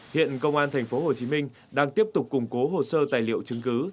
hiện công an tp hcm đang tiếp tục củng cố hồ sơ tài liệu chứng cứ